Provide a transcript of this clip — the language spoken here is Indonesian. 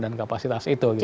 dan kapasitas itu gitu